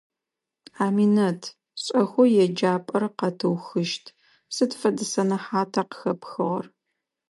Аминэт, шӀэхэу еджапӀэр къэтыухыщт, сыд фэдэ сэнэхьата къыхэпхыгъэр?